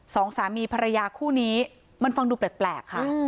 สองสามีภรรยาคู่นี้มันฟังดูแปลกค่ะ